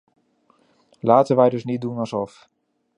Laten wij dus niet doen alsof.